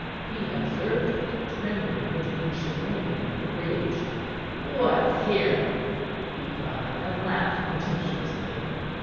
He observed it, trembling between chagrin and rage. "What's here?" he cried, and laughed contemptuously.